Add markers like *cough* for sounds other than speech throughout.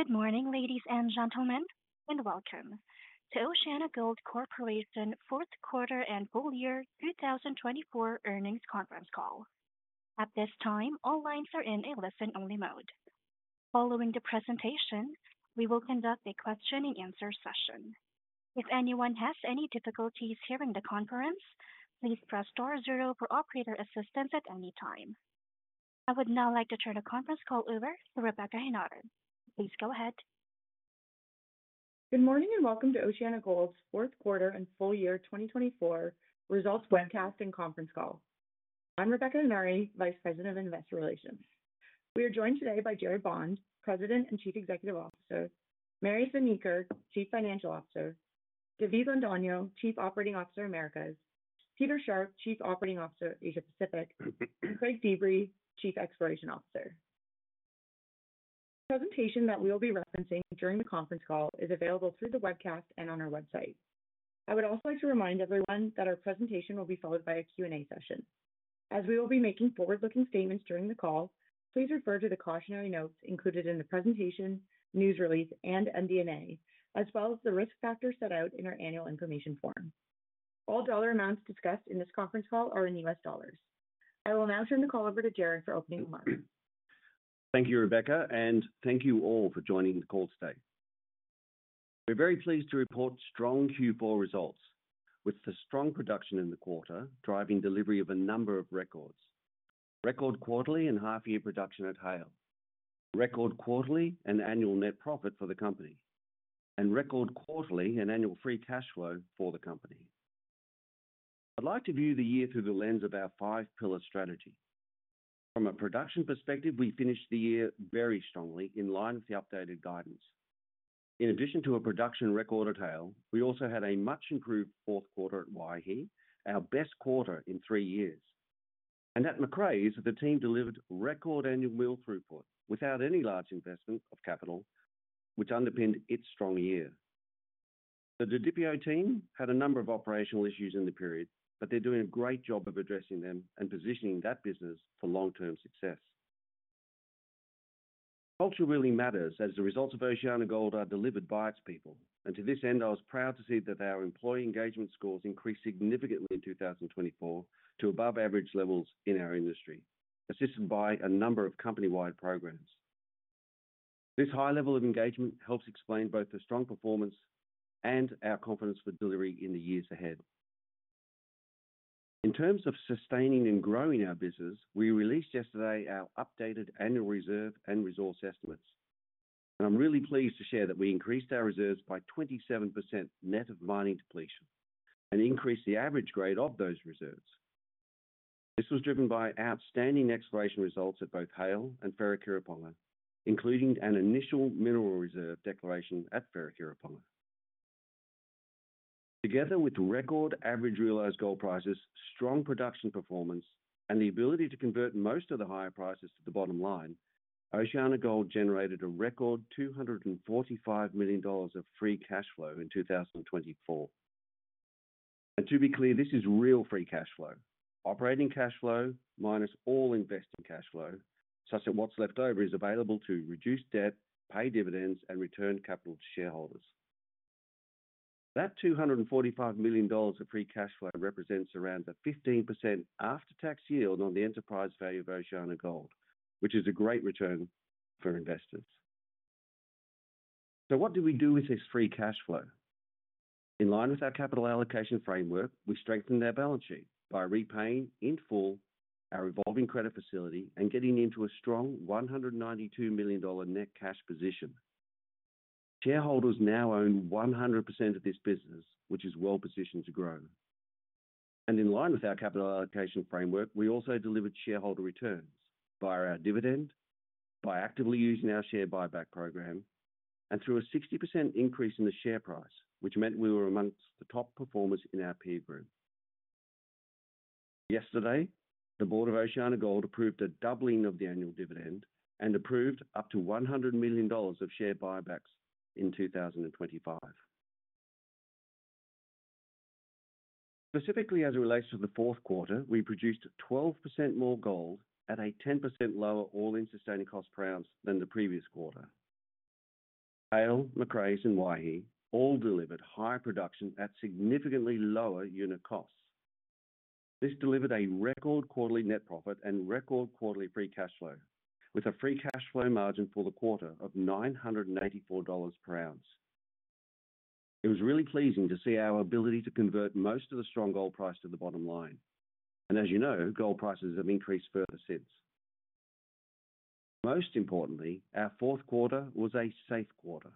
Good morning, ladies and gentlemen and welcome to OceanaGold Corporation Fourth Quarter and Full Year 2024 Earnings Conference Call. At this time, all lines are in a listen-only mode. Following the presentation, we will conduct a question-and-answer session. If anyone has any difficulties hearing the conference, please press star zero for operator assistance at any time. I would now like to turn the conference call over to Rebecca Henare. Please go ahead. Good morning and welcome to OceanaGold's Fourth Quarter and Full Year 2024 Results Webcast and Conference Call. I'm Rebecca Henare, Vice President of Investor Relations. We are joined today by Gerard Bond, President and Chief Executive Officer; Marius van Niekerk, Chief Financial Officer; David Londono, Chief Operating Officer Americas; Peter Sharpe, Chief Operating Officer Asia-Pacific; and Craig Feebrey, Chief Exploration Officer. The presentation that we will be referencing during the conference call is available through the webcast and on our website. I would also like to remind everyone that our presentation will be followed by a Q&A session. As we will be making forward-looking statements during the call, please refer to the cautionary notes included in the presentation, news release, and MD&A, as well as the risk factors set out in our Annual Information Form. All dollar amounts discussed in this conference call are in U.S. dollars. I will now turn the call over to Gerard for opening remarks. Thank you, Rebecca, and thank you all for joining the call today. We're very pleased to report strong Q4 results, with the strong production in the quarter driving delivery of a number of records: record quarterly and half-year production at Haile, record quarterly and annual net profit for the company, and record quarterly and annual free cash flow for the company. I'd like to view the year through the lens of our five-pillar strategy. From a production perspective, we finished the year very strongly, in line with the updated guidance. In addition to a production record at Haile, we also had a much-improved fourth quarter at Waihi, our best quarter in three years. And at Macraes, the team delivered record annual ore throughput without any large investment of capital, which underpinned its strong year. The Didipio team had a number of operational issues in the period, but they're doing a great job of addressing them and positioning that business for long-term success. Culture really matters as the results of OceanaGold are delivered by its people, and to this end, I was proud to see that our employee engagement scores increased significantly in 2024 to above-average levels in our industry, assisted by a number of company-wide programs. This high level of engagement helps explain both the strong performance and our confidence for delivery in the years ahead. In terms of sustaining and growing our business, we released yesterday our updated annual reserve and resource estimates, and I'm really pleased to share that we increased our reserves by 27% net of mining depletion and increased the average grade of those reserves. This was driven by outstanding exploration results at both Haile and Wharekirauponga, including an initial mineral reserve declaration at Wharekirauponga. Together with record average realized gold prices, strong production performance, and the ability to convert most of the higher prices to the bottom line, OceanaGold generated a record $245 million of free cash flow in 2024, and to be clear, this is real free cash flow: operating cash flow minus all investing cash flow, such that what's left over is available to reduce debt, pay dividends, and return capital to shareholders. That $245 million of free cash flow represents around a 15% after-tax yield on the enterprise value of OceanaGold, which is a great return for investors, so what do we do with this free cash flow? In line with our capital allocation framework, we strengthened our balance sheet by repaying in full our revolving credit facility and getting into a strong $192 million net cash position. Shareholders now own 100% of this business, which is well-positioned to grow. And in line with our capital allocation framework, we also delivered shareholder returns via our dividend, by actively using our share buyback program, and through a 60% increase in the share price, which meant we were amongst the top performers in our peer group. Yesterday, the board of OceanaGold approved a doubling of the annual dividend and approved up to $100 million of share buybacks in 2025. Specifically, as it relates to the fourth quarter, we produced 12% more gold at a 10% lower all-in sustaining cost per ounce than the previous quarter. Haile, Macraes, and Waihi all delivered high production at significantly lower unit costs. This delivered a record quarterly net profit and record quarterly free cash flow, with a free cash flow margin for the quarter of $984 per ounce. It was really pleasing to see our ability to convert most of the strong gold price to the bottom line. And as you know, gold prices have increased further since. Most importantly, our fourth quarter was a safe quarter.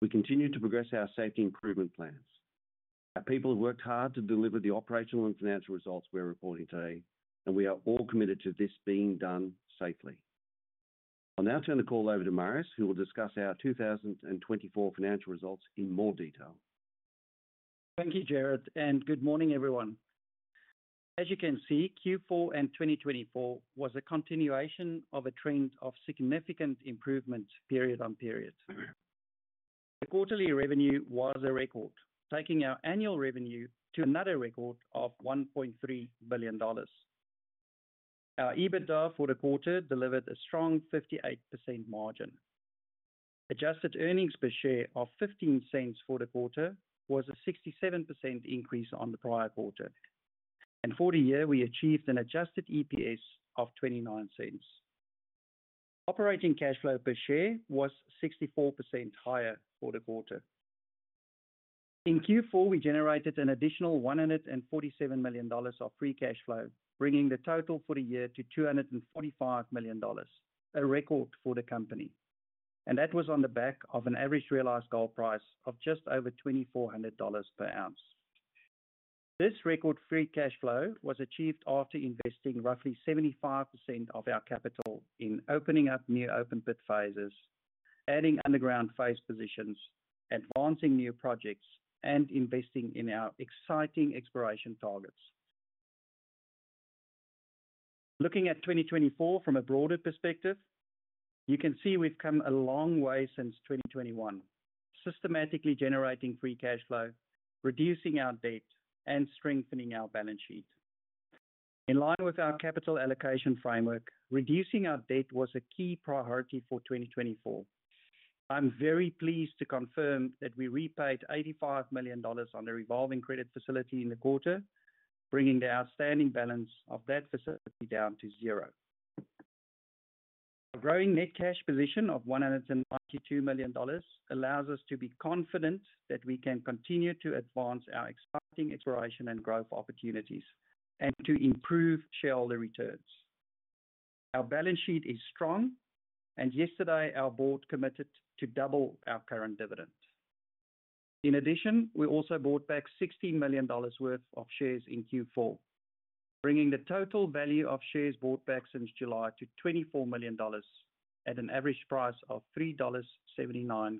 We continued to progress our safety improvement plans. Our people have worked hard to deliver the operational and financial results we're reporting today, and we are all committed to this being done safely. I'll now turn the call over to Marius, who will discuss our 2024 financial results in more detail. Thank you Gerard, and good morning everyone. As you can see, Q4 and 2024 was a continuation of a trend of significant improvement period on period. The quarterly revenue was a record, taking our annual revenue to another record of $1.3 billion. Our EBITDA for the quarter delivered a strong 58% margin. Adjusted earnings per share of $0.15 for the quarter was a 67% increase on the prior quarter, and for the year, we achieved an adjusted EPS of $0.29. Operating cash flow per share was 64% higher for the quarter. In Q4, we generated an additional $147 million of free cash flow, bringing the total for the year to $245 million, a record for the company, and that was on the back of an average realized gold price of just over $2,400 per ounce. This record free cash flow was achieved after investing roughly 75% of our capital in opening up new open pit phases, adding underground phase positions, advancing new projects, and investing in our exciting exploration targets. Looking at 2024 from a broader perspective, you can see we've come a long way since 2021, systematically generating free cash flow, reducing our debt, and strengthening our balance sheet. In line with our capital allocation framework, reducing our debt was a key priority for 2024. I'm very pleased to confirm that we repaid $85 million on the revolving credit facility in the quarter, bringing the outstanding balance of that facility down to zero. Our growing net cash position of $192 million allows us to be confident that we can continue to advance our exciting exploration and growth opportunities and to improve shareholder returns. Our balance sheet is strong, and yesterday, our board committed to double our current dividend. In addition, we also bought back $16 million worth of shares in Q4, bringing the total value of shares bought back since July to $24 million at an average price of $3.79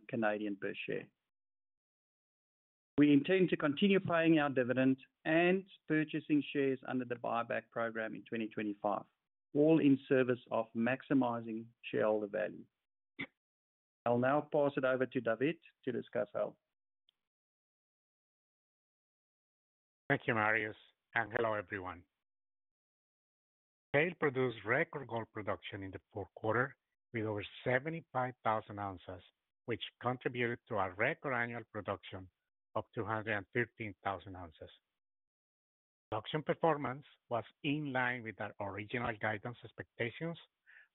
per share. We intend to continue paying our dividend and purchasing shares under the buyback program in 2025, all in service of maximizing shareholder value. I'll now pass it over to David to discuss all. Thank you, Marius, and hello everyone. Haile produced record gold production in the fourth quarter with over 75,000 oz which contributed to our record annual production of 213,000 oz. Production performance was in line with our original guidance expectations,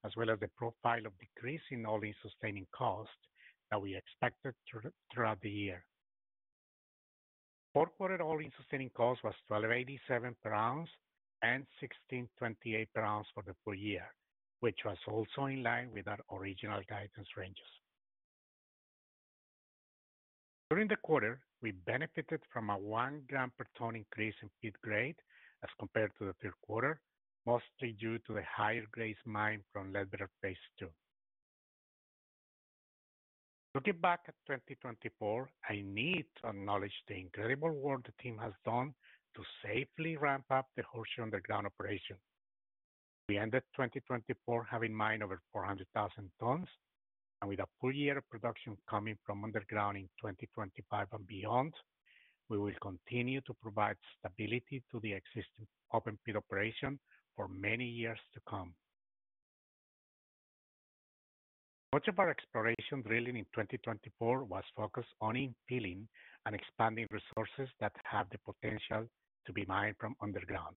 as well as the profile of decrease in all-in sustaining cost that we expected throughout the year. Fourth quarter all-in sustaining cost was $1,287 per oz and $1,628 per oz for the full year, which was also in line with our original guidance ranges. During the quarter, we benefited from a one gram per ton increase in feed grade as compared to the third quarter, mostly due to the higher grade mine from Ledbetter phase II. Looking back at 2024, I need to acknowledge the incredible work the team has done to safely ramp up the Horseshoe underground operation. We ended 2024 having mined over 400,000 tons, and with a full year of production coming from underground in 2025 and beyond, we will continue to provide stability to the existing open pit operation for many years to come. Much of our exploration drilling in 2024 was focused on in-filling and expanding resources that have the potential to be mined from underground.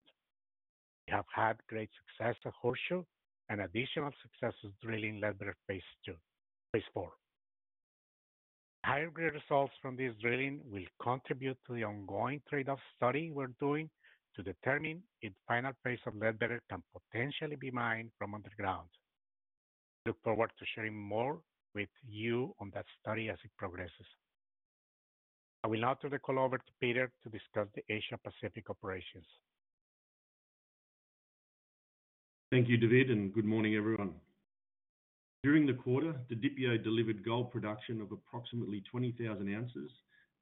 We have had great success at Horseshoe and additional successes drilling Ledbetter phase II, phase IV. Higher grade results from this drilling will contribute to the ongoing trade-off study we're doing to determine if the final phase of Ledbetter can potentially be mined from underground. I look forward to sharing more with you on that study as it progresses. I will now turn the call over to Peter to discuss the Asia-Pacific operations. Thank you, David, and good morning, everyone. During the quarter, DDPO delivered gold production of approximately 20,000 oz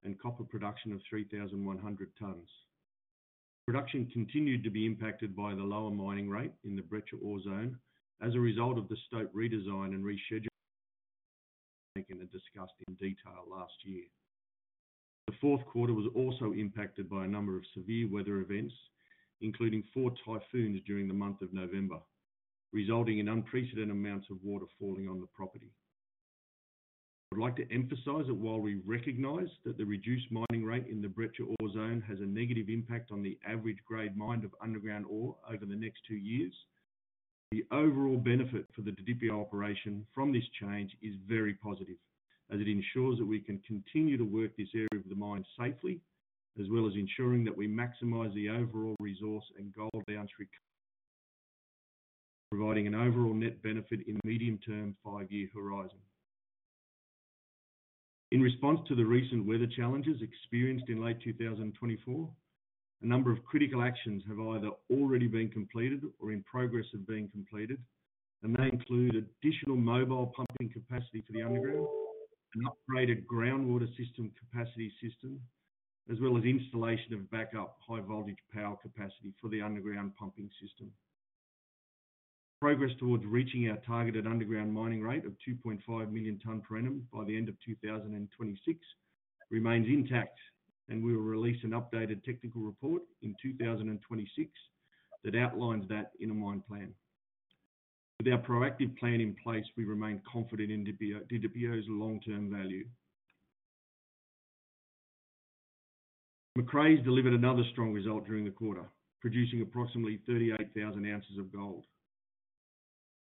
and copper production of 3,100 tons. Production continued to be impacted by the lower mining rate in the Breccia Zone as a result of the state redesign and rescheduling we've taken to discuss in detail last year. The fourth quarter was also impacted by a number of severe weather events, including four typhoons during the month of November, resulting in unprecedented amounts of water falling on the property. I'd like to emphasize that while we recognize that the reduced mining rate in the Breccia Zone has a negative impact on the average grade mined of underground ore over the next two years, the overall benefit for the DDPO operation from this change is very positive, as it ensures that we can continue to work this area of the mine safely, as well as ensuring that we maximize the overall resource and gold boundary coverage, providing an overall net benefit in the medium-term five-year horizon. In response to the recent weather challenges experienced in late 2024, a number of critical actions have either already been completed or in progress of being completed, and they include additional mobile pumping capacity for the underground, an upgraded groundwater system capacity system, as well as installation of backup high-voltage power capacity for the underground pumping system. Progress towards reaching our targeted underground mining rate of 2.5 million tonnes per annum by the end of 2026 remains intact, and we will release an updated technical report in 2026 that outlines that in a mine plan. With our proactive plan in place, we remain confident in DDPO's long-term value. Macraes delivered another strong result during the quarter, producing approximately 38,000 oz of gold.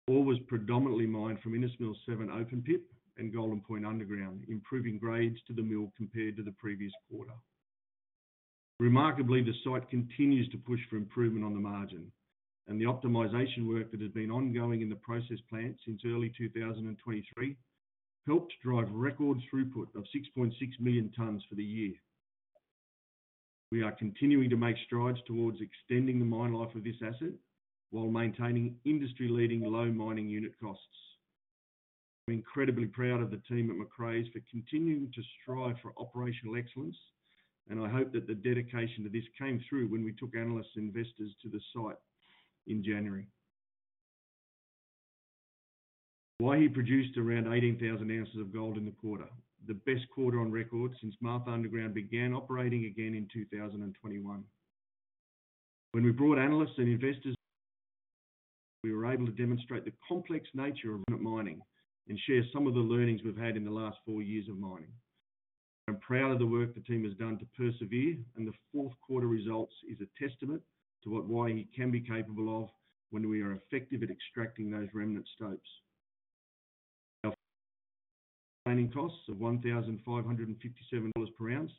Ore was predominantly mined from Innes Mills Seven open pit and Golden Point Underground, improving grades to the mill compared to the previous quarter. Remarkably, the site continues to push for improvement on the margin, and the optimization work that has been ongoing in the process plant since early 2023 helped drive record throughput of 6.6 million tonnes for the year. We are continuing to make strides towards extending the mine life of this asset while maintaining industry-leading low mining unit costs. I'm incredibly proud of the team at Macraes for continuing to strive for operational excellence, and I hope that the dedication to this came through when we took analysts and investors to the site in January. Waihi produced around 18,000 oz of gold in the quarter, the best quarter on record since Martha Underground began operating again in 2021. When we brought analysts and investors, we were able to demonstrate the complex nature of remnant mining and share some of the learnings we've had in the last four years of mining. I'm proud of the work the team has done to persevere, and the fourth quarter results is a testament to what Waihi can be capable of when we are effective at extracting those remnant stopes. Our sustaining costs of $1,557 per ounce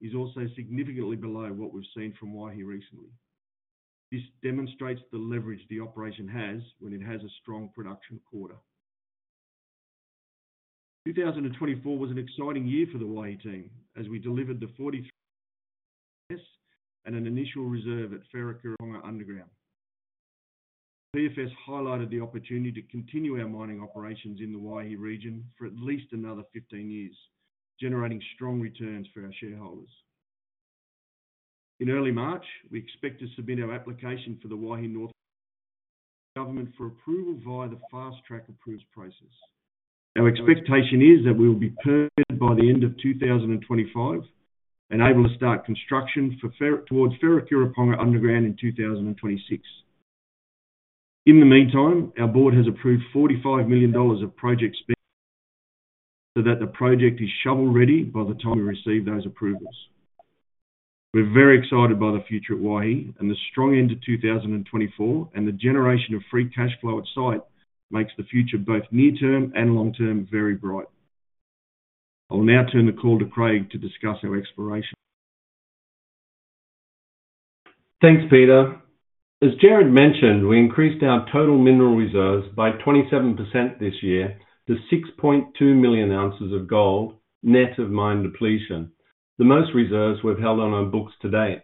is also significantly below what we've seen from Waihi recently. This demonstrates the leverage the operation has when it has a strong production quarter. 2024 was an exciting year for the Waihi team, as we delivered the National Instrument 43-101 and an initial reserve at Wharekirauponga Underground. PFS highlighted the opportunity to continue our mining operations in the Waihi region for at least another 15 years, generating strong returns for our shareholders. In early March, we expect to submit our application for the Waihi North Government *crosstalk* for approval via the Fast Track Approvals process. Our expectation is that we will be permitted by the end of 2025 and able to start construction towards Wharekirauponga Underground in 2026. In the meantime, our board has approved $45 million of project spend so that the project is shovel ready by the time we receive those approvals. We're very excited by the future at Waihi, and the strong end of 2024 and the generation of free cash flow at site makes the future both near-term and long-term very bright. I'll now turn the call to Craig to discuss our exploration. Thanks, Peter. As Gerard mentioned, we increased our total mineral reserves by 27% this year to 6.2 million oz of gold net of mine depletion, the most reserves we've held on our books to date.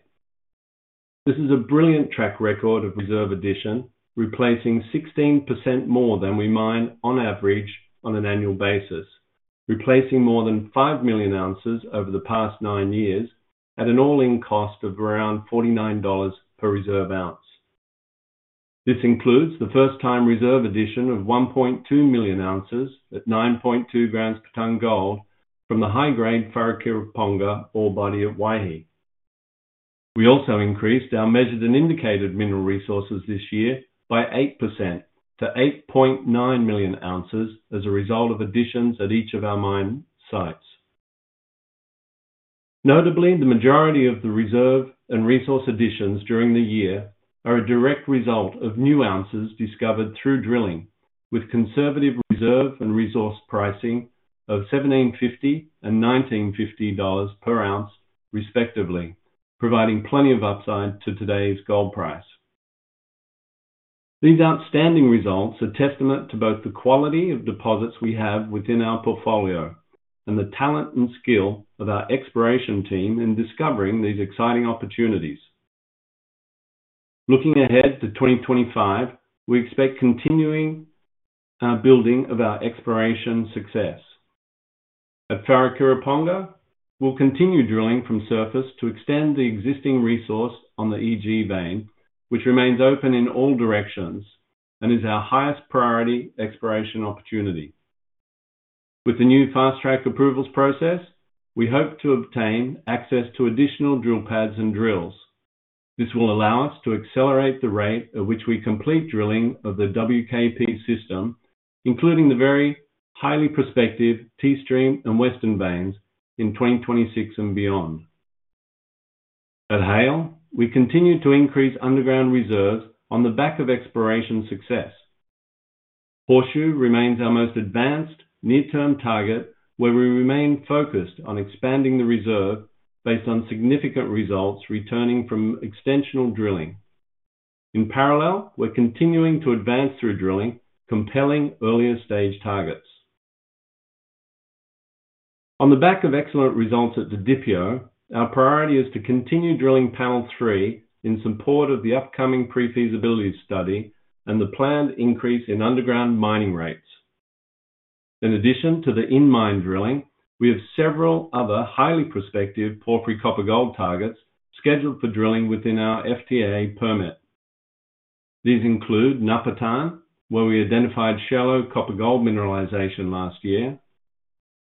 This is a brilliant track record of reserve addition, replacing 16% more than we mine on average on an annual basis, replacing more than 5 million oz over the past nine years at an all-in cost of around $49 per reserve ounce. This includes the first-time reserve addition of 1.2 million oz at 9.2 grams per ton gold from the high-grade Wharekirauponga ore body at Waihi. We also increased our measured and indicated mineral resources this year by 8% to 8.9 million oz as a result of additions at each of our mine sites. Notably, the majority of the reserve and resource additions during the year are a direct result of new ounces discovered through drilling, with conservative reserve and resource pricing of $1,750 and $1,950 per ounce, respectively, providing plenty of upside to today's gold price. These outstanding results are a testament to both the quality of deposits we have within our portfolio and the talent and skill of our exploration team in discovering these exciting opportunities. Looking ahead to 2025, we expect continuing our building of our exploration success. At Wharekirauponga, we'll continue drilling from surface to extend the existing resource on the EG vein, which remains open in all directions and is our highest priority exploration opportunity. With the new Fast Track Approvals process, we hope to obtain access to additional drill pads and drills. This will allow us to accelerate the rate at which we complete drilling of the WKP system, including the very highly prospective T-Stream and Western Veins in 2026 and beyond. At Haile, we continue to increase underground reserves on the back of exploration success. Horseshoe remains our most advanced near-term target, where we remain focused on expanding the reserve based on significant results returning from extensional drilling. In parallel, we're continuing to advance through drilling, compelling earlier stage targets. On the back of excellent results at DDPO, our priority is to continue drilling panel three in support of the upcoming pre-feasibility study and the planned increase in underground mining rates. In addition to the in-mine drilling, we have several other highly prospective porphyry copper gold targets scheduled for drilling within our FTAA permit. These include Napatin, where we identified shallow copper gold mineralization last year.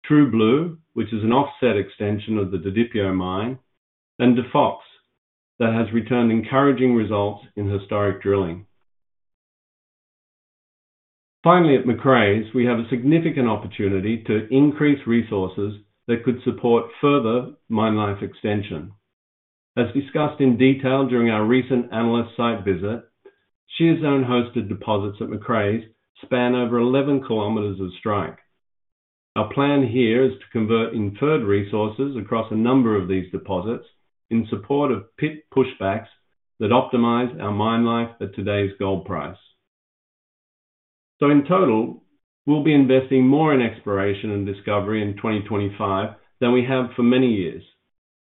True Blue, which is an offset extension of the DDPO mine. And The Fox, that has returned encouraging results in historic drilling. Finally, at Macraes, we have a significant opportunity to increase resources that could support further mine life extension. As discussed in detail during our recent analyst site visit, shear zone-hosted deposits at Macraes span over 11 kilometers of strike. Our plan here is to convert inferred resources across a number of these deposits in support of pit pushbacks that optimize our mine life at today's gold price. So, in total, we'll be investing more in exploration and discovery in 2025 than we have for many years.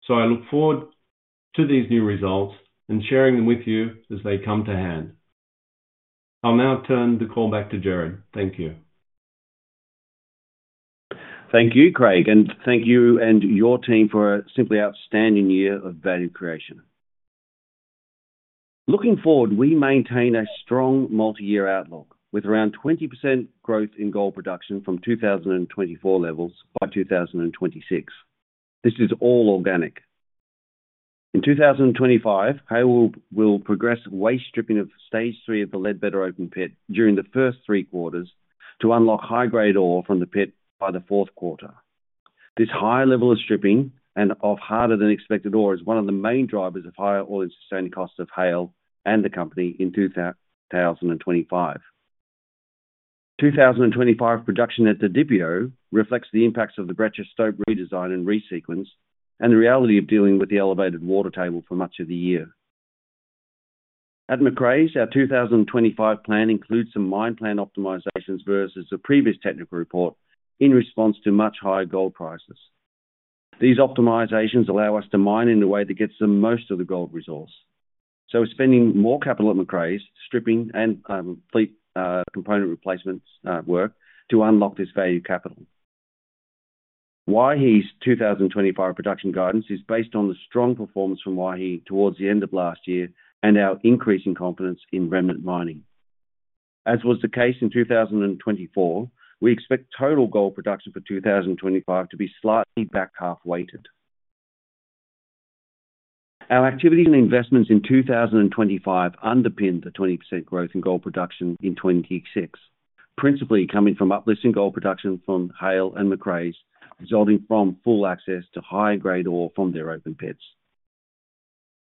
So, I look forward to these new results and sharing them with you as they come to hand. I'll now turn the call back to Gerard. Thank you. Thank you, Craig, and thank you and your team for a simply outstanding year of value creation. Looking forward, we maintain a strong multi-year outlook with around 20% growth in gold production from 2024 levels by 2026. This is all organic. In 2025, Haile will progress waste stripping of stage three of the Ledbetter Open Pit during the first three quarters to unlock high-grade ore from the pit by the fourth quarter. This high level of stripping and of harder-than-expected ore is one of the main drivers of higher all-in sustaining costs of Haile and the company in 2025. 2025 production at DDPO reflects the impacts of the Breccia stope redesign and resequence and the reality of dealing with the elevated water table for much of the year. At Macraes, our 2025 plan includes some mine plan optimizations versus a previous technical report in response to much higher gold prices. These optimizations allow us to mine in a way that gets the most of the gold resource. So, we're spending more capital at Macraes stripping and fleet component replacement work to unlock this value capital. Waihi's 2025 production guidance is based on the strong performance from Waihi towards the end of last year and our increasing confidence in remnant mining. As was the case in 2024, we expect total gold production for 2025 to be slightly back half-weighted. Our activity and investments in 2025 underpinned the 20% growth in gold production in 2026, principally coming from uplifting gold production from Haile and Macraes, resulting from full access to high-grade ore from their open pits.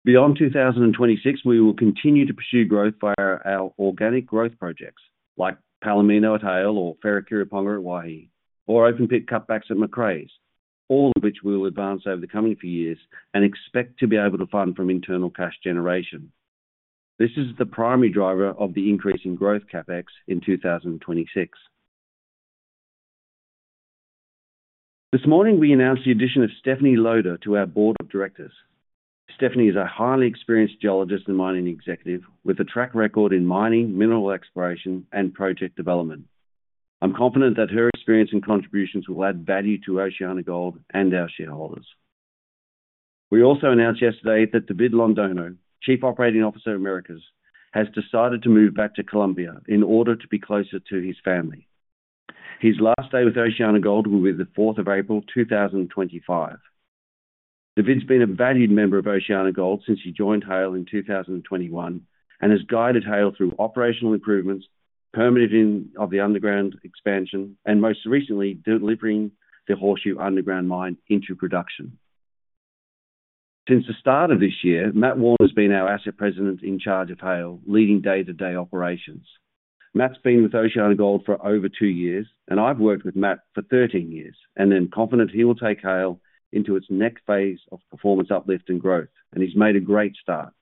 Beyond 2026, we will continue to pursue growth via our organic growth projects like Palomino at Haile or Wharekirauponga at Waihi or open pit cutbacks at Macraes, all of which we will advance over the coming few years and expect to be able to fund from internal cash generation. This is the primary driver of the increasing growth CapEx in 2026. This morning, we announced the addition of Stephanie Loader to our board of directors. Stephanie is a highly experienced geologist and mining executive with a track record in mining, mineral exploration, and project development. I'm confident that her experience and contributions will add value to OceanaGold and our shareholders. We also announced yesterday that David Londono, Chief Operating Officer, Americas, has decided to move back to Colombia in order to be closer to his family. His last day with OceanaGold will be the 4th of April 2025. David's been a valued member of OceanaGold since he joined Haile in 2021 and has guided Haile through operational improvements, permitting of the underground expansion, and most recently, delivering the Horseshoe Underground mine into production. Since the start of this year, Matt Warne has been our asset president in charge of Haile, leading day-to-day operations. Matt's been with OceanaGold for over two years, and I've worked with Matt for 13 years and am confident he will take Haile into its next phase of performance uplift and growth, and he's made a great start.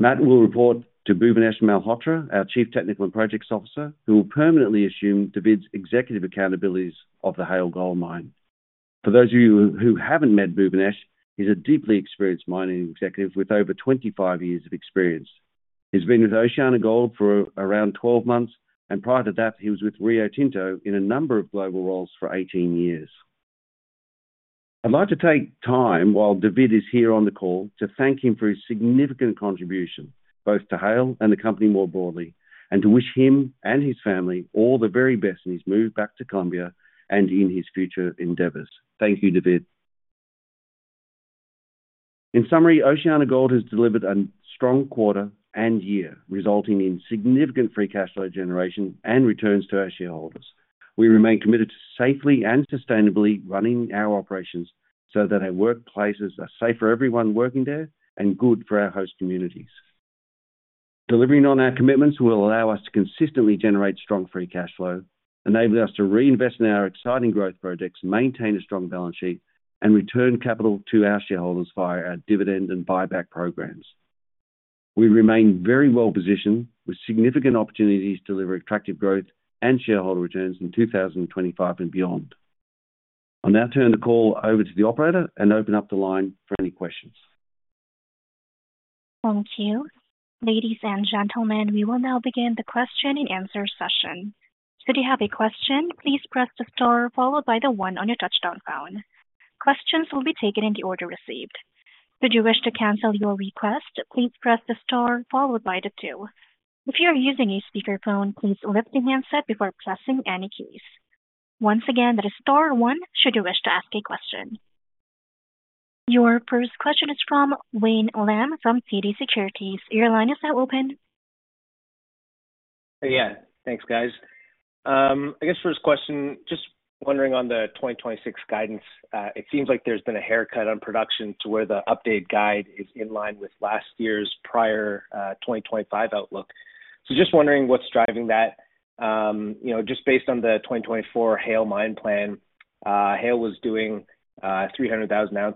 Matt will report to Bhuvanesh Malhotra, our Chief Technical and Projects Officer, who will permanently assume David's executive accountabilities of the Haile gold mine. For those of you who haven't met Bhuvanesh, he's a deeply experienced mining executive with over 25 years of experience. He's been with OceanaGold for around 12 months, and prior to that, he was with Rio Tinto in a number of global roles for 18 years. I'd like to take time, while David is here on the call, to thank him for his significant contribution both to Haile and the company more broadly and to wish him and his family all the very best in his move back to Colombia and in his future endeavors. Thank you, David. In summary, OceanaGold has delivered a strong quarter and year, resulting in significant free cash flow generation and returns to our shareholders. We remain committed to safely and sustainably running our operations so that our workplaces are safe for everyone working there and good for our host communities. Delivering on our commitments will allow us to consistently generate strong free cash flow, enable us to reinvest in our exciting growth projects, maintain a strong balance sheet, and return capital to our shareholders via our dividend and buyback programs. We remain very well positioned with significant opportunities to deliver attractive growth and shareholder returns in 2025 and beyond. I'll now turn the call over to the operator and open up the line for any questions. Thank you. Ladies and gentlemen, we will now begin the question and answer session. Should you have a question, please press the star followed by the one on your touch-tone phone. Questions will be taken in the order received. Should you wish to cancel your request, please press the star followed by the two. If you are using a speakerphone, please lift the handset before pressing any keys. Once again, that is star one should you wish to ask a question. Your first question is from Wayne Lam from TD Securities. Your line is now open. Hey, yeah, thanks, guys. I guess first question, just wondering on the 2026 guidance. It seems like there's been a haircut on production to where the update guide is in line with last year's prior 2025 outlook. So just wondering what's driving that. Just based on the 2024 Haile mine plan, Haile was doing 300,000 oz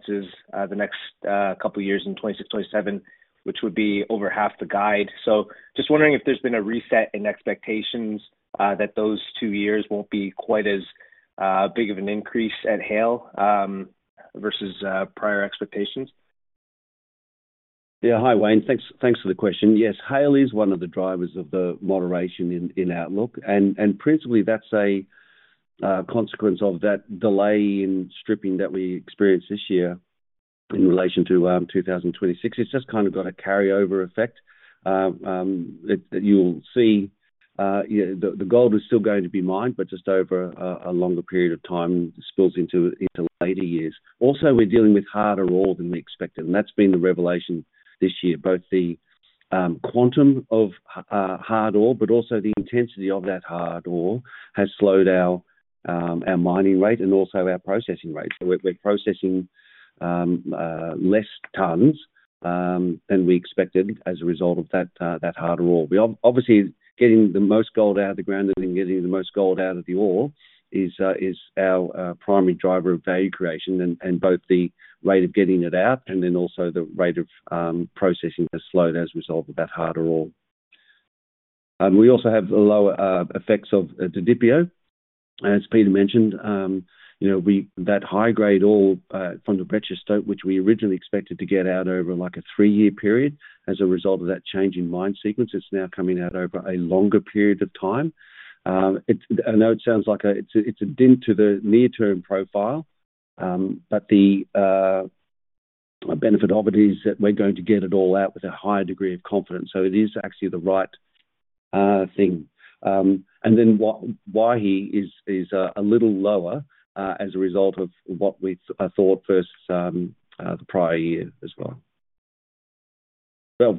the next couple of years in 2026, 2027, which would be over half the guide. So just wondering if there's been a reset in expectations that those two years won't be quite as big of an increase at Haile versus prior expectations. Yeah, hi, Wayne. Thanks for the question. Yes, Haile is one of the drivers of the moderation in outlook. And principally, that's a consequence of that delay in stripping that we experienced this year in relation to 2026. It's just kind of got a carryover effect that you'll see. The gold is still going to be mined, but just over a longer period of time, it spills into later years. Also, we're dealing with harder ore than we expected. And that's been the revelation this year. Both the quantum of hard ore, but also the intensity of that hard ore has slowed our mining rate and also our processing rate. So we're processing less tons than we expected as a result of that harder ore. Obviously, getting the most gold out of the ground and then getting the most gold out of the ore is our primary driver of value creation and both the rate of getting it out and then also the rate of processing has slowed as a result of that harder ore. We also have the lower effects of DDPO. As Peter mentioned, that high-grade ore from the Breccia Zone stope, which we originally expected to get out over like a three-year period as a result of that change in mine sequence, it's now coming out over a longer period of time. I know it sounds like it's a dent to the near-term profile, but the benefit of it is that we're going to get it all out with a higher degree of confidence, so it is actually the right thing. And then Waihi is a little lower as a result of what we thought first the prior year as well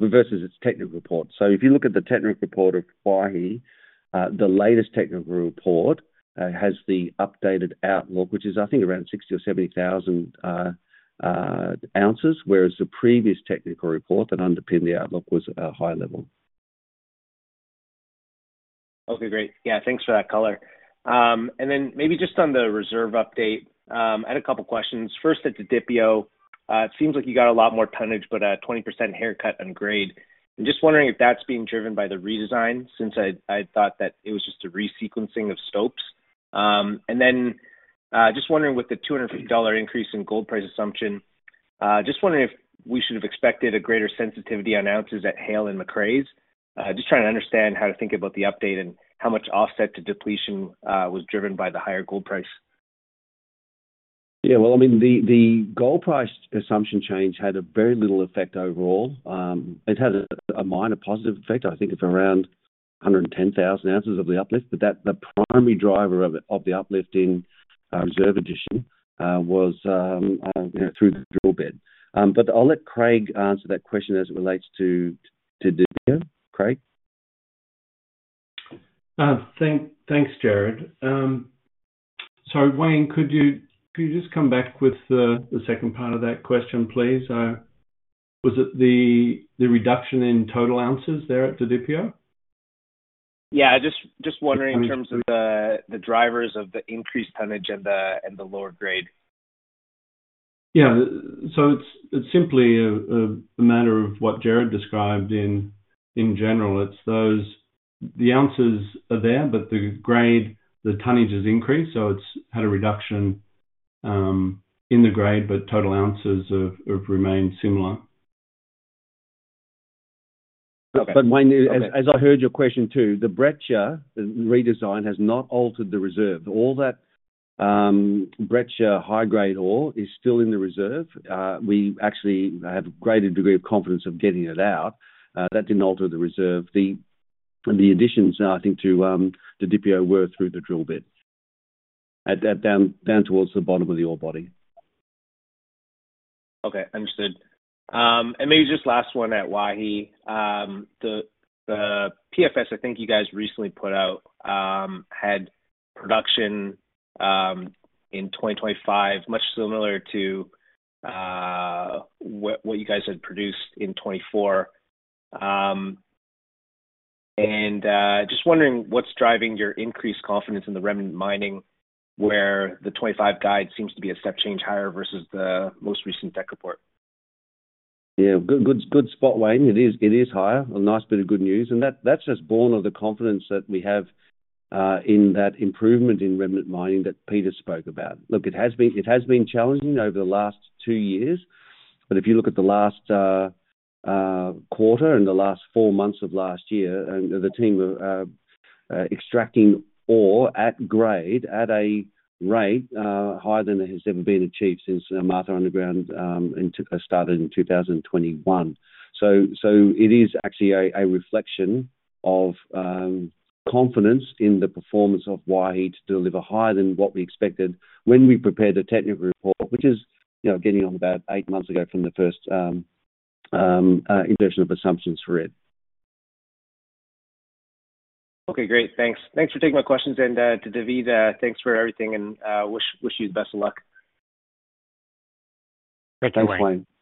versus its technical report. So if you look at the technical report of Waihi, the latest technical report has the updated outlook, which is, I think, around 60,000 or 70,000 oz, whereas the previous technical report that underpinned the outlook was a high level. Okay, great. Yeah, thanks for that color. And then maybe just on the reserve update, I had a couple of questions. First, at DDPO, it seems like you got a lot more tonnage, but a 20% haircut on grade. And just wondering if that's being driven by the redesign since I thought that it was just a resequencing of stopes. And then just wondering with the $250 increase in gold price assumption, just wondering if we should have expected a greater sensitivity on ounces at Haile and Macraes. Just trying to understand how to think about the update and how much offset to depletion was driven by the higher gold price. Yeah, well, I mean, the gold price assumption change had very little effect overall. It had a minor positive effect, I think, of around 110,000 oz of the uplift. But the primary driver of the uplift in reserve addition was through the drilling. But I'll let Craig answer that question as it relates to DDPO, Craig. Thanks, Gerard. So, Wayne, could you just come back with the second part of that question, please? Was it the reduction in total ounces there at DDPO? Yeah, just wondering in terms of the drivers of the increased tonnage and the lower grade? Yeah, so it's simply a matter of what Gerard described in general. The ounces are there, but the grade, the tonnage has increased. So it's had a reduction in the grade, but total ounces have remained similar. But Wayne, as I heard your question too, the Breccia redesign has not altered the reserve. All that Breccia high-grade ore is still in the reserve. We actually have a greater degree of confidence of getting it out. That didn't alter the reserve. The additions, I think, to DDPO were through the drill bit down towards the bottom of the ore body. Okay, understood and maybe just last one at Waihi. The PFS, I think you guys recently put out, had production in 2025, much similar to what you guys had produced in 2024. And just wondering what's driving your increased confidence in the remnant mining where the 2025 guide seems to be a step change higher versus the most recent tech report? Yeah, good spot, Wayne. It is higher. A nice bit of good news, and that's just born of the confidence that we have in that improvement in remnant mining that Peter spoke about. Look, it has been challenging over the last two years, but if you look at the last quarter and the last four months of last year, the team were extracting ore at grade at a rate higher than it has ever been achieved since Martha Underground started in 2021, so it is actually a reflection of confidence in the performance of Waihi to deliver higher than what we expected when we prepared the technical report, which is getting on about eight months ago from the first introduction of assumptions for it. Okay, great. Thanks. Thanks for taking my questions and to David, thanks for everything and wish you the best of luck. Thanks, Wayne. *crosstalk*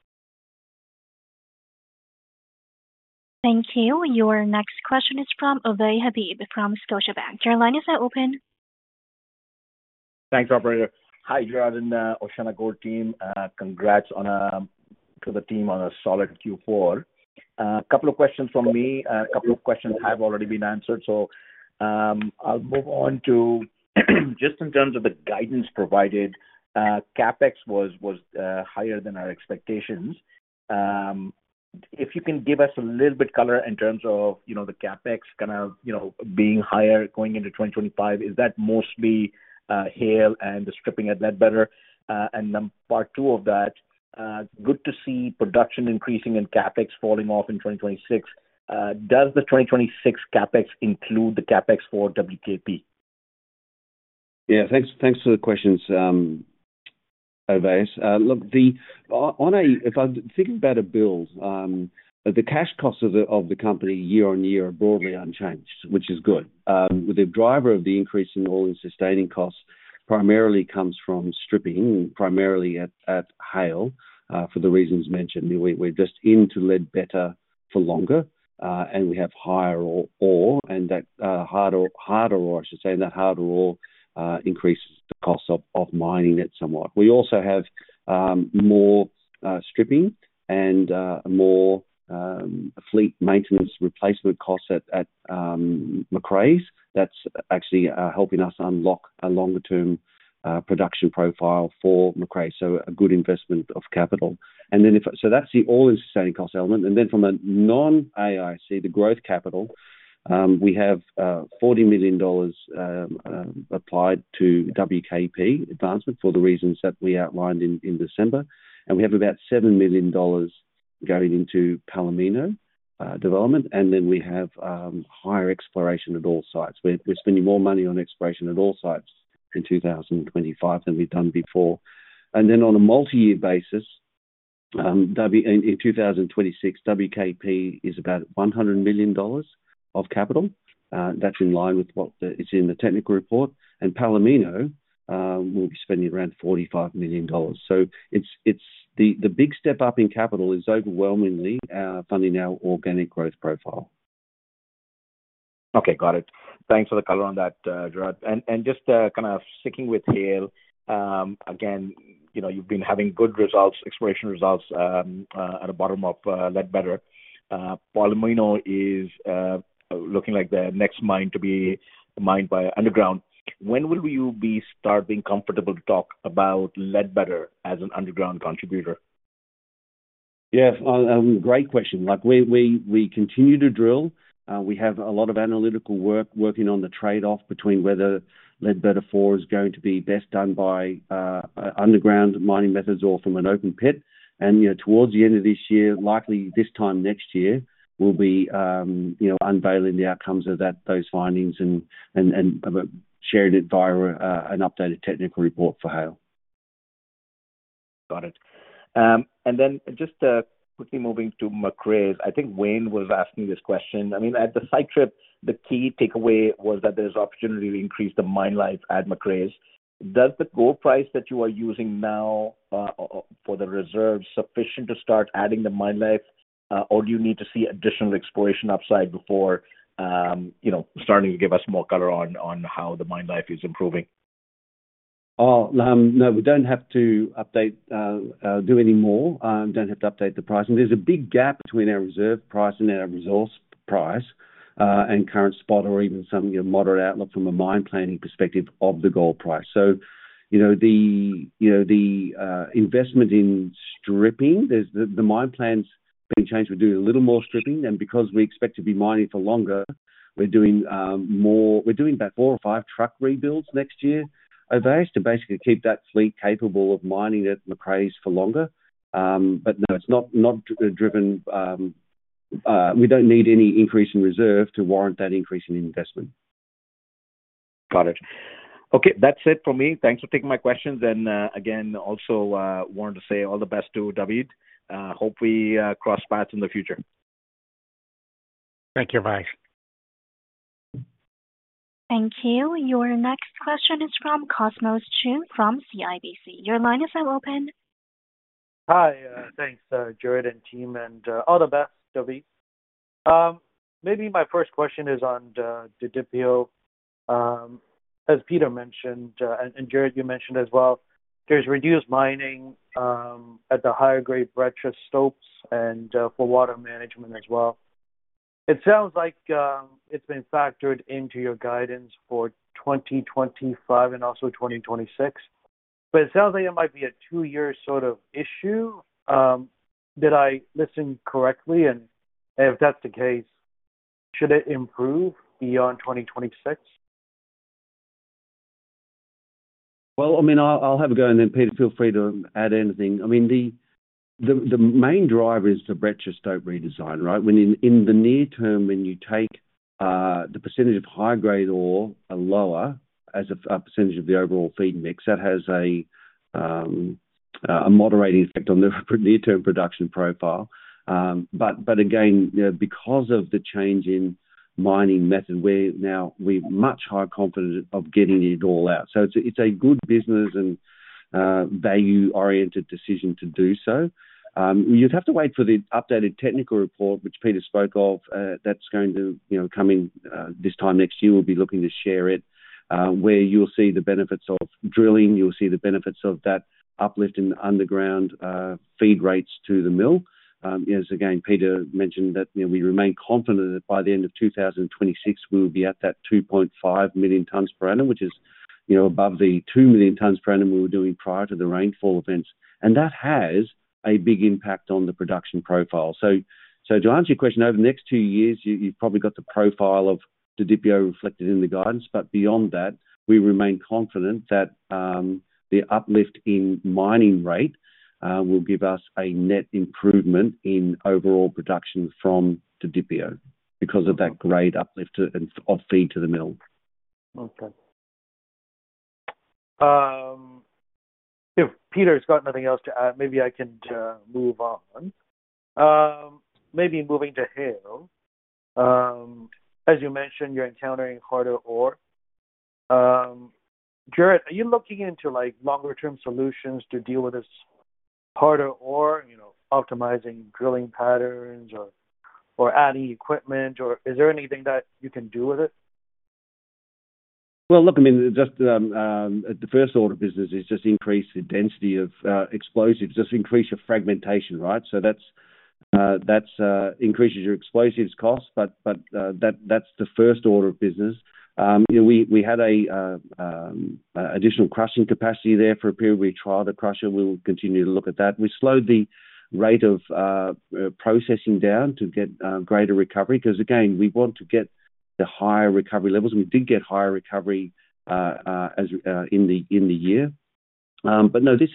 Thank you. Your next question is from Ovais Habib from Scotiabank. Your line is now open. Thanks, operator. Hi, Gerard and OceanaGold team. Congrats to the team on a solid Q4. A couple of questions from me. A couple of questions have already been answered. So I'll move on to just in terms of the guidance provided. CapEx was higher than our expectations. If you can give us a little bit, color, in terms of the CapEx kind of being higher going into 2025, is that mostly Haile and the stripping at that better? Part two of that, good to see production increasing and CapEx falling off in 2026. Does the 2026 CapEx include the CapEx for WKP? Yeah, thanks for the questions, Ovais. Look, if I'm thinking about a build, the cash costs of the company year on year are broadly unchanged, which is good. The driver of the increase in AISC primarily comes from stripping, primarily at Haile for the reasons mentioned. We're just in Ledbetter for longer, and we have higher ore, and that harder ore, I should say, and that harder ore increases the cost of mining it somewhat. We also have more stripping and more fleet maintenance replacement costs at Macraes. That's actually helping us unlock a longer-term production profile for Macraes. So a good investment of capital. So that's the AISC element. And then from a non-AISC, the growth capital, we have $40 million applied to WKP advancement for the reasons that we outlined in December. And we have about $7 million going into Palomino development. And then we have higher exploration at all sites. We're spending more money on exploration at all sites in 2025 than we've done before. And then on a multi-year basis, in 2026, WKP is about $100 million of capital. That's in line with what is in the technical report and Palomino will be spending around $45 million. So the big step up in capital is overwhelmingly funding our organic growth profile. Okay, got it. Thanks for the color on that, Gerard. And just kind of sticking with Haile, again, you've been having good results, exploration results at the bottom of Ledbetter. Palomino is looking like the next mine to be mined by underground. When will you be starting comfortable to talk about Ledbetter as an underground contributor? Yeah, great question. We continue to drill. We have a lot of analytical work working on the trade-off between whether Ledbetter is going to be best done by underground mining methods or from an open pit, and towards the end of this year, likely this time next year, we'll be unveiling the outcomes of those findings and sharing it via an updated technical report for Haile. Got it and then just quickly moving to Macraes, I think Wayne was asking this question. I mean, at the site trip, the key takeaway was that there's opportunity to increase the mine life at Macraes. Does the gold price that you are using now for the reserve sufficient to start adding the mine life, or do you need to see additional exploration upside before starting to give us more color on how the mine life is improving? Oh, no, we don't have to update anymore. We don't have to update the price. There's a big gap between our reserve price and our resource price and current spot or even some moderate outlook from a mine planning perspective of the gold price. The investment in stripping, the mine plans being changed, we're doing a little more stripping. Because we expect to be mining for longer, we're doing about four or five truck rebuilds next year, Ovais, to basically keep that fleet capable of mining at Macraes for longer. No, it's not driven. We don't need any increase in reserve to warrant that increase in investment. Got it. Okay, that's it for me. Thanks for taking my questions. And again, also wanted to say all the best to David. Hope we cross paths in the future. Thank you, Ovais. Thank you. Your next question is from Cosmos Chiu from CIBC. Your line is now open. Hi, thanks, Gerard and team. And all the best, David. Maybe my first question is on DDPO. As Peter mentioned, and Gerard, you mentioned as well, there's reduced mining at the higher-grade Breccia stopes and for water management as well. It sounds like it's been factored into your guidance for 2025 and also 2026. But it sounds like it might be a two-year sort of issue. Did I listen correctly? And if that's the case, should it improve beyond 2026? Well, I mean, I'll have a go and then, Peter, feel free to add anything. I mean, the main driver is the Breccia Zone stope redesign, right? In the near term, when you take the percentage of high-grade ore lower as a percentage of the overall feed mix, that has a moderating effect on the near-term production profile. But again, because of the change in mining method, we're now much higher confident of getting it all out. So it's a good business and value-oriented decision to do so. You'd have to wait for the updated technical report, which Peter spoke of, that's going to come in this time next year. We'll be looking to share it, where you'll see the benefits of drilling. You'll see the benefits of that uplift in underground feed rates to the mill. As again, Peter mentioned that we remain confident that by the end of 2026, we will be at that 2.5 million tons per annum, which is above the 2 million tons per annum we were doing prior to the rainfall events. And that has a big impact on the production profile. So to answer your question, over the next two years, you've probably got the profile of DDPO reflected in the guidance. But beyond that, we remain confident that the uplift in mining rate will give us a net improvement in overall production from DDPO because of that grade uplift of feed to the mill. Okay. If Peter's got nothing else to add, maybe I can move on. Maybe moving to Haile. As you mentioned, you're encountering harder ore. Gerard, are you looking into longer-term solutions to deal with this harder ore, optimizing drilling patterns or adding equipment? Or is there anything that you can do with it? Well, look, I mean, just the first order of business is just increase the density of explosives, just increase your fragmentation, right? So that increases your explosives costs. But that's the first order of business. We had an additional crushing capacity there for a period. We tried to crush it. We will continue to look at that. We slowed the rate of processing down to get greater recovery because, again, we want to get the higher recovery levels and we did get higher recovery in the year. But no, this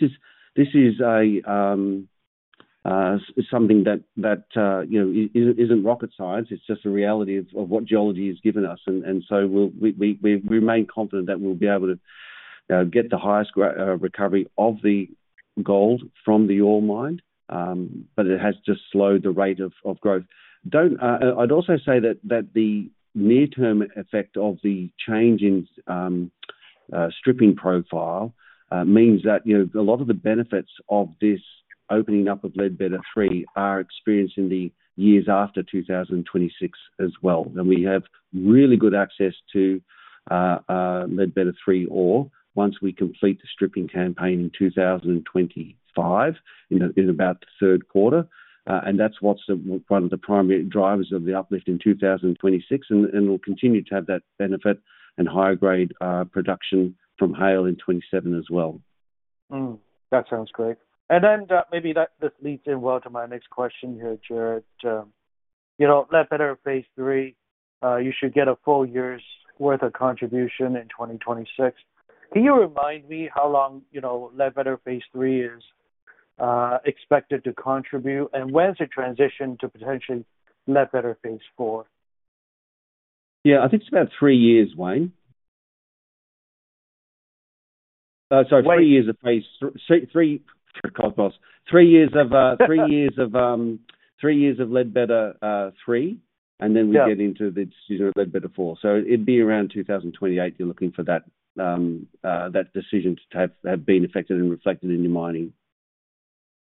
is something that isn't rocket science. It's just a reality of what geology has given us and so we remain confident that we'll be able to get the highest recovery of the gold from the ore mine. But it has just slowed the rate of growth. I'd also say that the near-term effect of the change in stripping profile means that a lot of the benefits of this opening up of Ledbetter 3 are experienced in the years after 2026 as well. And we have really good access to Ledbetter 3 ore once we complete the stripping campaign in 2025, in about the third quarter. And that's what's one of the primary drivers of the uplift in 2026. And we'll continue to have that benefit and higher-grade production from Haile in 2027 as well. That sounds great, and then maybe that just leads in well to my next question here, Gerard. Ledbetter phase 3, you should get a full year's worth of contribution in 2026. Can you remind me how long Ledbetter phase 3 is expected to contribute, and when's it transition to potentially Ledbetter phase 4? Yeah, I think it's about three years, Wayne. Sorry, *crosstalk* Three years of phase 3. Three years of Ledbetter 3. And then we get into the decision of Ledbetter 4. So it'd be around 2028 you're looking for that decision to have been effected and reflected in your modeling.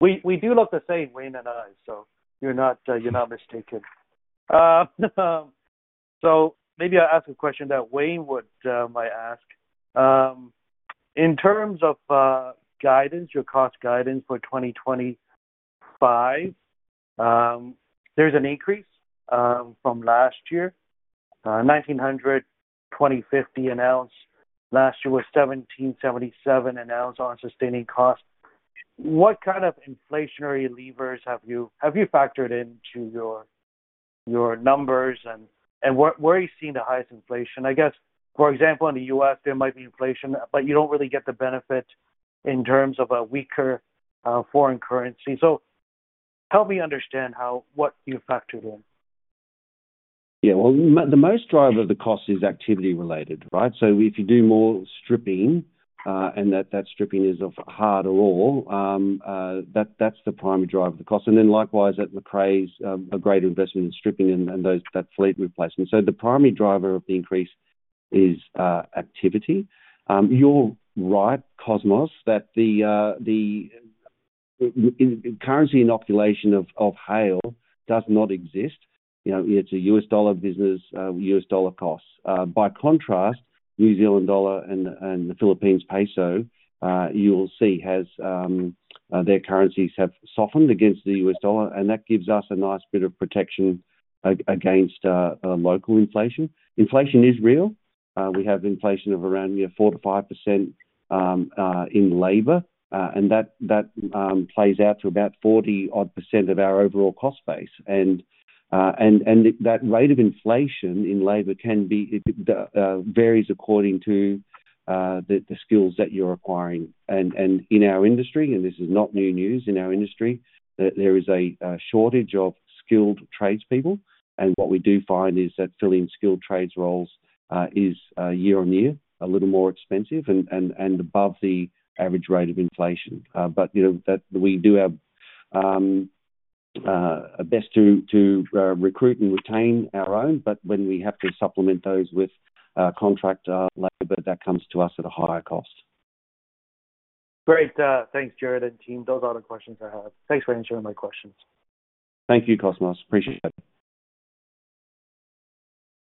We do love to say Wayne and I, so you're not mistaken. So maybe I'll ask a question that Wayne might ask. In terms of guidance, your cost guidance for 2025, there's an increase from last year. $1,900 to $2,050 announced. Last year was $1,777 announced on sustaining costs. What kind of inflationary levers have you factored into your numbers? And where are you seeing the highest inflation? I guess, for example, in the U.S., there might be inflation, but you don't really get the benefit in terms of a weaker foreign currency. So help me understand what you factored in. Yeah, well, the most driver of the cost is activity-related, right? So if you do more stripping and that stripping is of harder ore, that's the primary driver of the cost. And then likewise at Macraes, a greater investment in stripping and that fleet replacement. So the primary driver of the increase is activity. You're right, Cosmos, that the currency inoculation of Haile does not exist. It's a US dollar business, US dollar costs. By contrast, New Zealand dollar and the Philippine peso, you will see their currencies have softened against the US dollar. And that gives us a nice bit of protection against local inflation. Inflation is real. We have inflation of around 4% to 5% in labor. And that plays out to about 40-odd% of our overall cost base and that rate of inflation in labor varies according to the skills that you're acquiring. And in our industry, and this is not new news in our industry, there is a shortage of skilled tradespeople. And what we do find is that filling skilled trades roles is year on year a little more expensive and above the average rate of inflation. But we do our best to recruit and retain our own. But when we have to supplement those with contract labor, that comes to us at a higher cost. Great. Thanks, Gerard and team. Those are the questions I have. Thanks for answering my questions. Thank you, Cosmos. Appreciate it.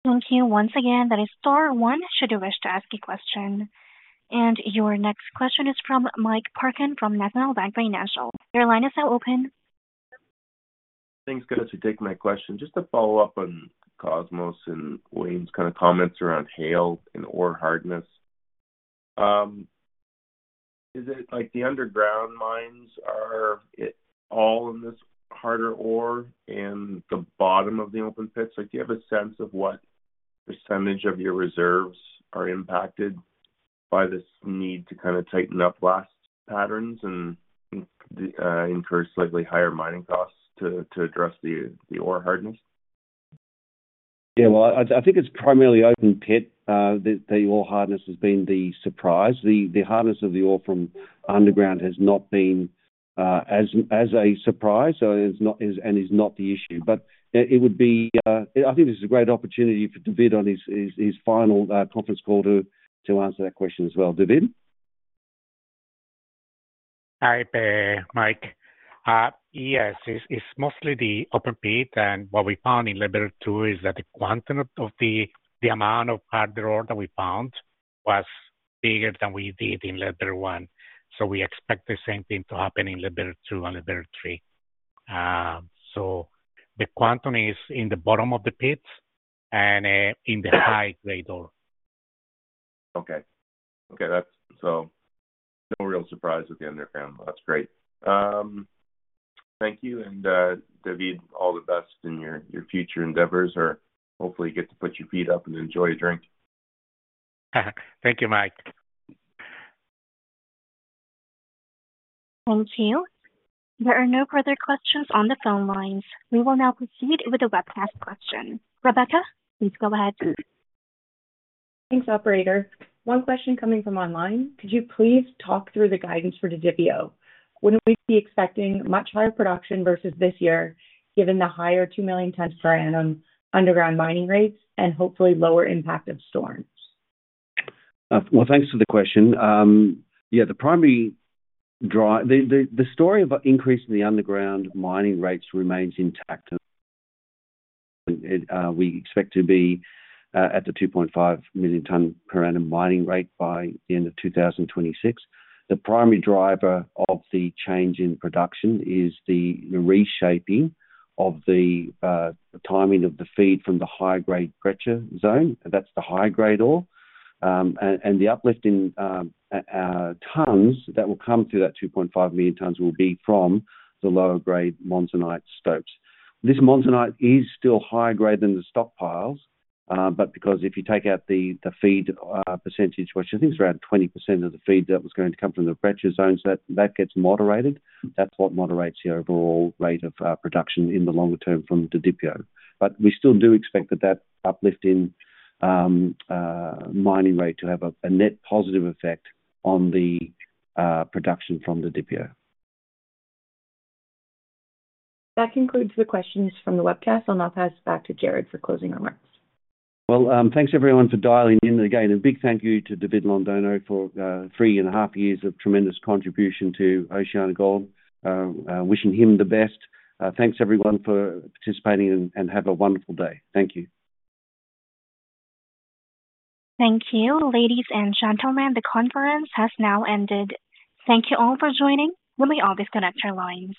Thank you once again. That is star one, should you wish to ask a question. And your next question is from Mike Parkin from National Bank Financial. Your line is now open. Thanks guys, for taking my question. Just to follow up on Cosmos and Wayne's kind of comments around Haile and ore hardness, is it like the underground mines are all in this harder ore and the bottom of the open pits? Do you have a sense of what percentage of your reserves are impacted by this need to kind of tighten up blast patterns and incur slightly higher mining costs to address the ore hardness? Yeah, well, I think it's primarily open pit that the ore hardness has been the surprise. The hardness of the ore from underground has not been as a surprise and is not the issue. But it would be, I think, this is a great opportunity for David on his final conference call to answer that question as well. David? Hi, Mike. Yes, it's mostly the open pit. And what we found in Ledbetter 2 is that the quantum of the amount of harder ore that we found was bigger than we did in Ledbetter 1. So we expect the same thing to happen in Ledbetter 2 and Ledbetter 3. So the quantum is in the bottom of the pits and in the high-grade ore. Okay. Okay, so no real surprise with the underground. That's great. Thank you, and David, all the best in your future endeavors, or hopefully you get to put your feet up and enjoy a drink. Thank you, Mike. Thank you. There are no further questions on the phone lines. We will now proceed with a webcast question. Rebecca, please go ahead. Thanks, operator. One question coming from online. Could you please talk through the guidance for DDPO? Wouldn't we be expecting much higher production versus this year given the higher 2 million tons per annum underground mining rates and hopefully lower impact of storms? Thanks for the question. Yeah, the story of increasing the underground mining rates remains intact. We expect to be at the 2.5 million ton per annum mining rate by the end of 2026. The primary driver of the change in production is the reshaping of the timing of the feed from the high-grade Breccia Zone. That's the high-grade ore. The uplift in tons that will come through that 2.5 million tons will be from the lower-grade monzonite stopes. This monzonite is still higher grade than the stockpiles. But because if you take out the feed percentage, which I think is around 20% of the feed that was going to come from the Breccia Zone, that gets moderated. That's what moderates the overall rate of production in the longer term from DDPO. But we still do expect that uplift in mining rate to have a net positive effect on the production from DDPO. That concludes the questions from the webcast. I'll now pass it back to Gerard for closing remarks. Thanks everyone for dialing in. Again, a big thank you to David Londono for three and a half years of tremendous contribution to OceanaGold. Wishing him the best. Thanks everyone for participating, and have a wonderful day. Thank you. Thank you. Ladies and gentlemen, the conference has now ended. Thank you all for joining. We'll be off this connector line.